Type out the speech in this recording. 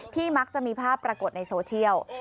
มักจะมีภาพปรากฏในโซเชียล